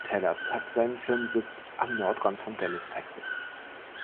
Tellabs hat seinen Firmensitz am Nordrand von Dallas, Texas.